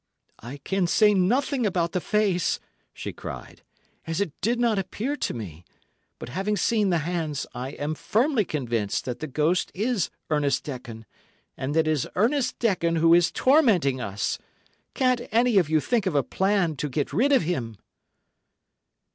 "I can say nothing about the face," she cried, "as it did not appear to me, but having seen the hands, I am firmly convinced that the ghost is Ernest Dekon, and that it is Ernest Dekon who is tormenting us. Can't any of you think of a plan to get rid of him?"